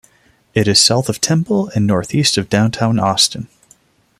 It is south of Temple and northeast of downtown Austin.